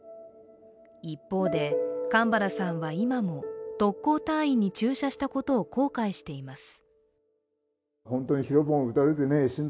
一方で蒲原さんは今も特攻隊員に注射したことを後悔しています。